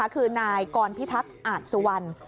คือนายกรพิทักษ์อาจสุวรรณ